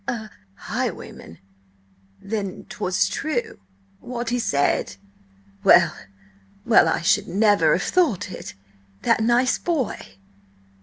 "A highwayman! Then 'twas true what he said? Well, well! I should never have thought it! That nice boy!"